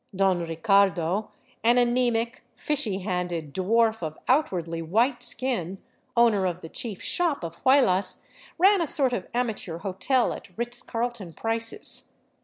" Don Ricardo," an anemic, fishy handed dwarf of outwardly white skin, owner of the chief shop of Huaylas, ran a sort of amateur hotel at Ritz Carlton prices.